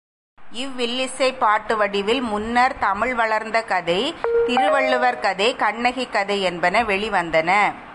இவ் வில்லிசைப் பாட்டுவடிவில் முன்னர்த் தமிழ்வளர்ந்த கதை, திருவள்ளுவர் கதை, கண்ணகி கதை யென்பன வெளிவந்தன.